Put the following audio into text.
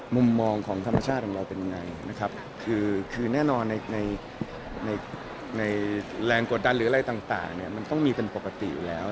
มุมมองของธรรมชาติของเราเป็นยังไงนะครับคือแน่นอนในในแรงกดดันหรืออะไรต่างเนี่ยมันต้องมีเป็นปกติอยู่แล้ว